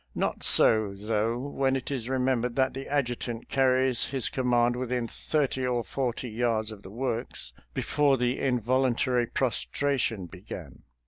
Not so, though, when it is remembered that the Adjutant carries his command within thirty or forty yards of the works before the involun tary prostration began.